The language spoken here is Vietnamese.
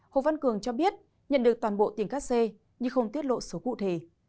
hồ văn cường cho biết nhận được toàn bộ tiền cắt xê nhưng không tiết lộ số cụ thể